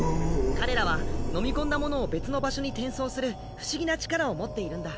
彼らは飲み込んだものを別の場所に転送する不思議な力を持っているんだ。